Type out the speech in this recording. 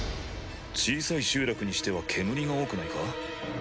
小さい集落にしては煙が多くないか？